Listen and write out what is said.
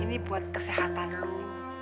ini buat kesehatan lo